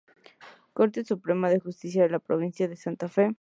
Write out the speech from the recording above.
Corte Suprema de Justicia de la Provincia de Santa Fe